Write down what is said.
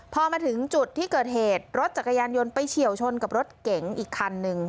พอมาถึงจุดที่เกิดเหตุรถจักรยานยนต์ไปเฉียวชนกับรถเก๋งอีกคันนึง